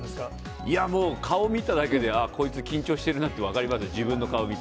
いやもう、顔見ただけで、ああ、こいつ、緊張してるなって分かります、自分の顔見て。